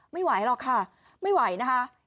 ไม่ไหวหรอกค่ะไม่ไหวนะคะ